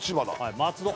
松戸